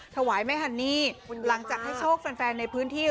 ถวายแม่ฮันนี่หลังจากให้โชคแฟนในพื้นที่